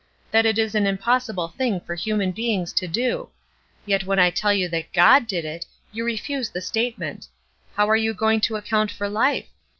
That it is an impossible thing for human beings to do. Yet when I tell you that God did it you refuse the statement. How are you going to account for life?